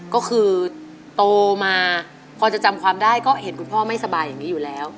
ก็คือโตมาพอจะจำความได้ก็เห็นคุณพ่อไม่สบายอย่างนี้อยู่แล้ว